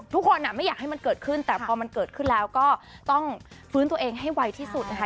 ทุกคนไม่อยากให้มันเกิดขึ้นแต่พอมันเกิดขึ้นแล้วก็ต้องฟื้นตัวเองให้ไวที่สุดนะคะ